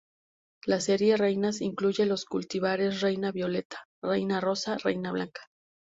La serie 'reinas' incluye los cultivares 'Reina violeta', 'Reina rosa' 'Reina blanca'.